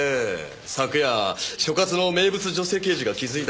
昨夜所轄の名物女性刑事が気づいたんですよ。